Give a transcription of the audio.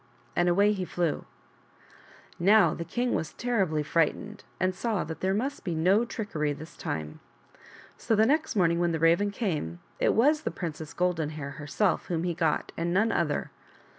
And away he flew. And now the king was terribly frightened, and saw that there must be no trickery this time. So the next morning when the Raven came it was the Princess Golden Hair herself whom he got and none other.